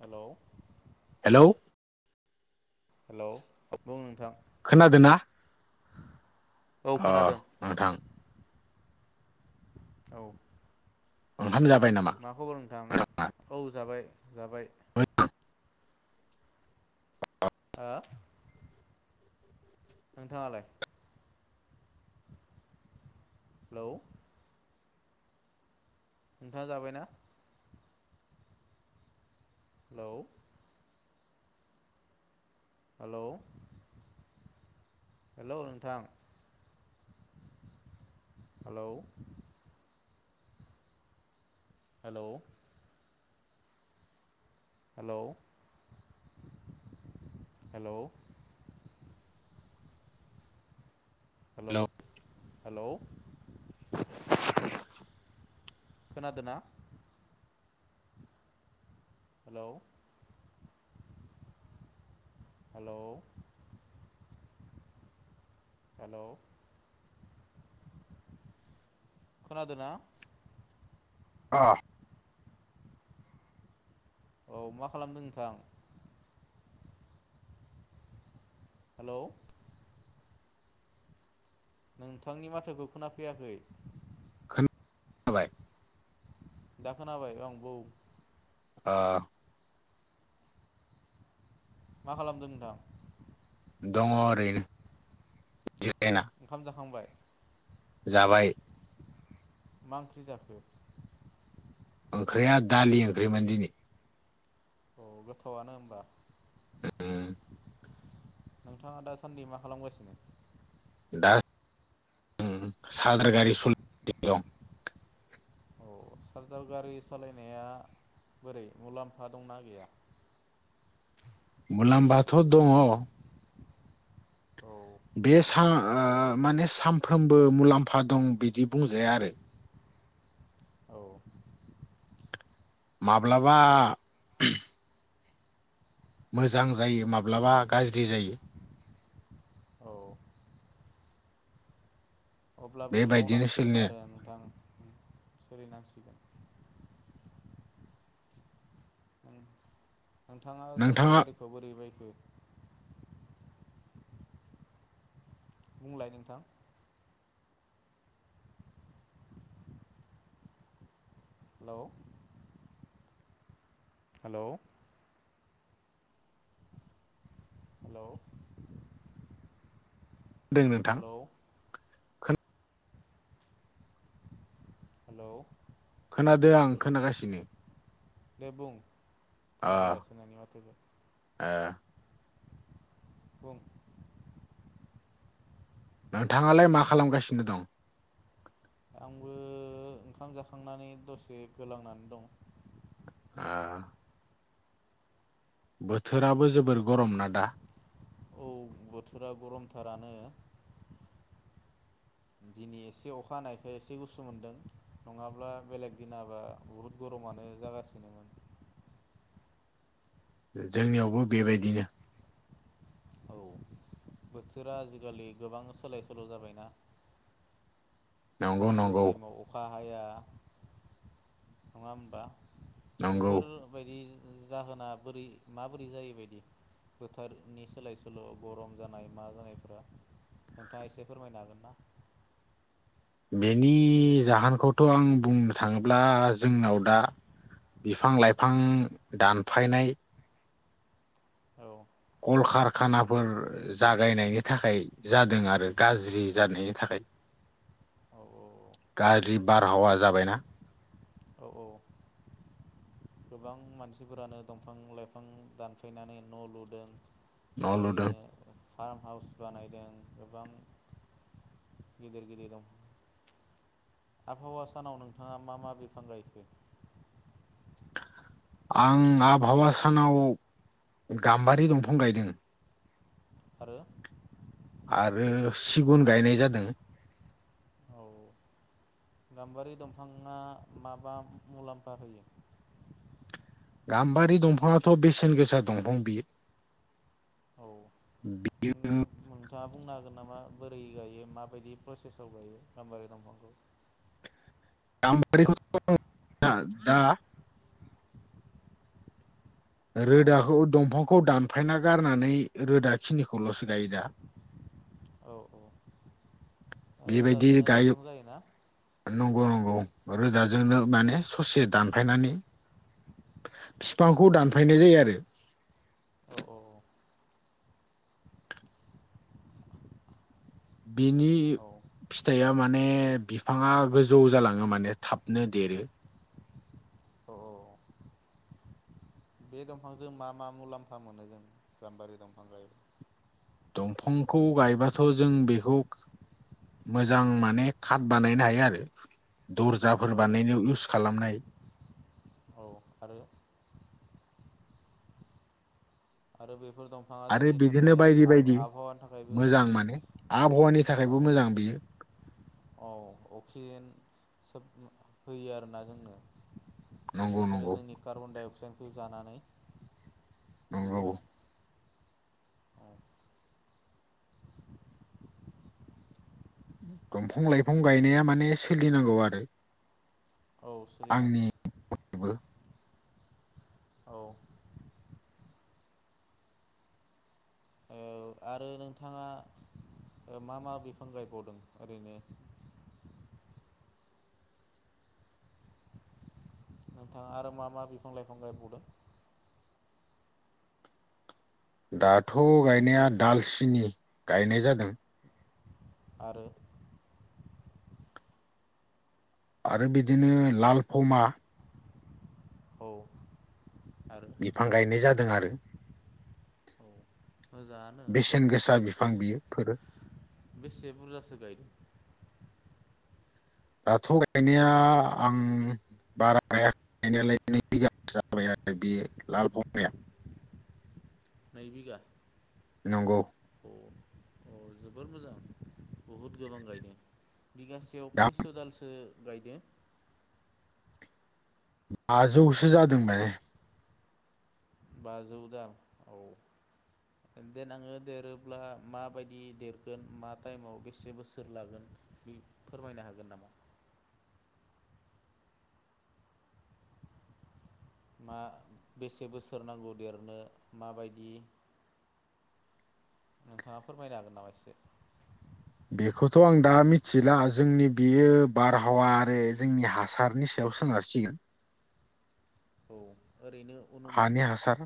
Hello hello hello औ बुं नोंथां खोनादोना औ अ खोनादों नोंथां औ। ओंखाम जाबाय नामा? मा खबर नोंथां? औ जाबाय। जाबाय। ओ नोंथाङालाय? हेल' नोंथाङा जाबायना? हेल' हेल' हेल' नोंथां? हेल' हेल' हेल' हेल' हेल' हेलौ हेल' [inaudible] खोनादोना? हेल' हेल' हेल' खोनादोना? अ औ मा खालामदों नोंथां? हेल' नोंथांनि माथोखौ खोनाफैयाखै हम जाबाय। दा खोनाबाय ओ बु अ। मा खालामदों नोंथां? दङ ओरैनो। जिरायना ओंखाम जाखांबाय? जाबाय। मा ओंख्रि जाखो? ओंख्रिया दालि ओंख्रिमोन दिनि। औ गोथावआनो होमबा उम नोंथाङा दासानदि माखालागासिनो? दा सालद्रा गारि सलि दं। औ चार्जार गारि सालायनाया बोरै मुलाम्फा दंना गैया? मुलामबाथ' दङ'। औ। बे सा ओ माने सानफ्रोमबो मुलाम्फा दं बिदि बुंजाया आरो। औ। माब्लाबा मोजां जायो माब्लाबा गाज्रि जायो। औ। अब्लाबो बेबायदिनो मावनांसिगोन सोलिनो आरो नोंथां। सोलिनांसिगोन। उम्। नोंथाङा चार्जार नोंथाङा गारिखौ बोरै बायखो? बुंलाय नोंथां हेलौ हेलौ हेलौ दों नोंथां हेलौ हेलौ खोनादो आं खोनागासिनो। दे बुं। खोनाबाय दासोनोंनि माथोखो। आ बुं। नोंथाङालाय मा खालामगासिनो दं? आंबो ओंखाम जाखांनानै दसे गोलांनानै दं। आ बोथोराबो जोबोर गरम ना दा। औ बोथोरा गरमथारानो दिनै एसे अखा हानायखाय एसे गुस्सु मोनदों नङाब्ला बेलेग दिनाबा बुहुद गरमानो जागासिनो। जोंनियावबो बेबायदिनो। औ बोथोरा आजिखालि गोबां सोलाय सोल जाबायना। नंगौ नांगौ नंगौ टाइमाव अखा- हाया नङा होमबा? नंगौ बेफोर बायदि जाहोना बोरै माबोरै जायोबायदि बोथारनि सोलाय सोल गरम जानाय मा जानायफोरा नोंथाङा एसे फोरमायनो हागोन ना? बेनि जाहोनखौथ आं बुंनो थाङोब्ला जोंनाव दा बिफां लाइफां दानफायनाय - औ कलकारखानाफोर जागायनायनि थाखाय जादों आरो गाज्रि जानायनि थाखाय। औ [unintelligible] बारहावा जाबायना- औ औ गोबां मानसिफोरानो दंफां लाइफां दानफायनानै न लुदों। न' लुदों आरैनो फार्म हाउस बानायदों गोबां गिदिर गिदिर दं। आबहावा सानाव नोंथाङा मा मा बिफां गायखो? आं आबहावा सानाव गाम्बारि दंफां गायदों। आरो? आरो सिगुन गायनाय जादों। औ गाम्बारि दंफाङा माबा मुलाम्फा होयो गाम्बारि दंफाङाथ बेसेन गोसा दंफां बि औ नों नोंथाङा बुंनो हागोन नामा? बोरै गायो माबायदि प्रसेसआव गायो गामबारि दंफांखौ। गामबारिखौथ [unintelligible] दा औ रोदाखौ दंफांखौ दान थफायना गारनानै रोदा खिनिखौलसो गायो दा- औ बेबायदि रोदाजोंनो गायो दंफां जायोना नंगौ नं गौ रोदाजोंनो माने ससे दानफायनानै औ फिफांखौ दानफायनाय जायो आरो औ औ बिनि औ फिथाइया माने बिफाङा गोजौ जालाङो माने थाबनो देरो औ औ औ बे दंफांजों मा मा मुलाम्फा मोनो जों गाम्बारि दंफां गायो दंफांखौ गायबाथ' जों बेखौ मोजां माने खाथ बानायनो हायो आरो दर्जाफोर औ बानायनायाव [unintelligible] खालामनाय औ आरो आरो बै बेफोर दंफाङा आरो जोंनि बिदिनो थाखाय बायदि बायदि आब-आबहावानि थाखायबो मोजां माने आबहावानि थाखायबो मोजां बियो औ औ अक्सिजेन सोब होयो आरोना जोंनो नंगौ बिसोरो नंगौ जोंनि कार्बन डाइ अक्साइड खौ जानानै बिदि नंगौ औ दंफां लाइफां गायनाया माने सोलिनांगौ आरो औ सोलिनांगौ आंनिबो औ औ आरो नोंथाङा ओ मा मा बिफां गायबावदों ओरैनो नोंथाङा आरो मा मा बिफां लाइफां गायबावदों दाथ' गायनाया दालसिनि गायनाय जादों। आरो आरो बिदिनो लाल फमा औ आरो बिफां गायनाय जादों आरो औ [unintelligible] मोजाङानो बेसेन गोसा बिफां बियो बेसे बुरजासो गायदों? दाथ' गायनाया आं बारा गायाखै गायनायालाय नै बिघासो जाबाय आरो बेयो लालफमाया नै बिघा नंगौ अ जोबोर मोजां बहुद गोबां गायदों। बिगासेयाव दा खैस' दालसो गायदो? बाजौसो जादों [unintelligible] बाजौ दाल औ देनांओ देरोब्ला माबायदि देरगोन मा टाइमाव बेसे बोसोर लागोन उम फोरमायनो हागोन नामा? मा बेसे बोसोर नांगौ देरनो माबायदि नोंथाङा फोरमायनो हागोन नामा एसे? बेखौथ आं दा मिथिला जोंनि बियो बारहावा आरो जोंनि हासारनि सायाव सोनारसिगोन। औ ओरैनो अनुमान हानि हासार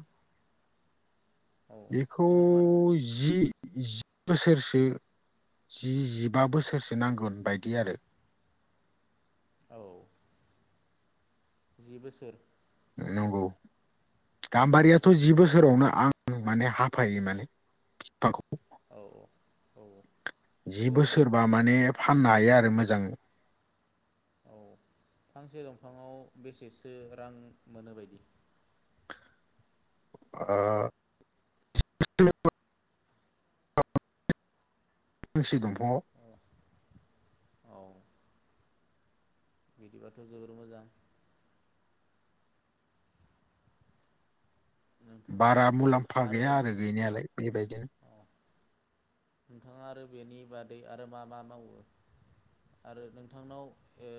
औ बेखौ अनुमान जि जि बोसोरसो जि जिबा बोसोरसो नांगोन बायदि आरो औ जि बोसोर नंगौ औ गाम्बारियाथ जि बोसोरावनो आं माने हा फाय माने बिफांखौ औ औ औ जि जोबोर मोजां बोसोरबा माने फा फाननो हायो आरो मोजां औ फांसे दंफाङाव बेसेसो रां मोनो बायदि [inaudible] दङ औ बिदिबाथ जोबोर मोजां नोंथाङा बारा मुलाम्फा गैया आरो गैनायालाय बेबायदिनो नोंथाङा आरो बेनि बादै आरो मा मा मावो आरो नोंथांनाव ओ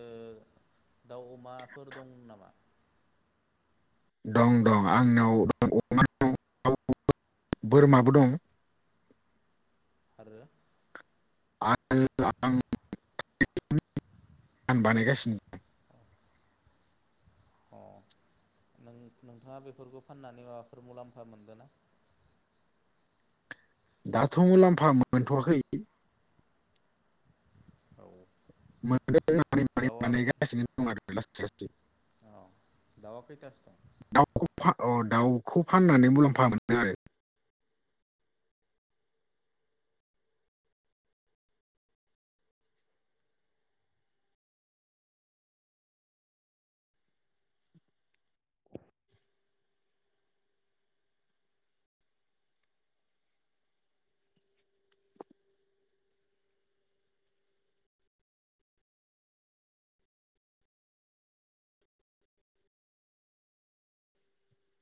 दाउ अमाफोर दं नामा? दं दं आंनाव अमा दं [unintelligible] बोरमाबो दं आरो आरो आं [unintelligible] बानायगासिनो दं अ नों नोंथाङा बेफोरखौ फाननानै माबाफोर मुलाम्फा मोनदों ना दाथ मुलाम फा मोनथ आखै औ मोनदों [unintelligible] दाउआ बानायगासिनो दं आरो [unintelligible] अ दाउआ खैथासो दं [unintelligible]